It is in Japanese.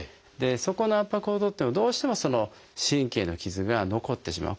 そこの圧迫を取ってもどうしてもその神経の傷が残ってしまう。